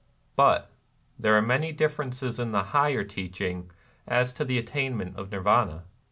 But there are many differences in the higher teaching as to the attainment of Nirvana.